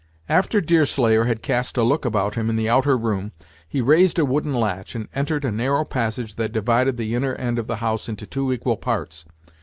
After Deerslayer had cast a look about him in the outer room, he raised a wooden latch, and entered a narrow passage that divided the inner end of the house into two equal parts.